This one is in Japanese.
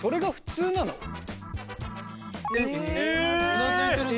うなずいてるぞ。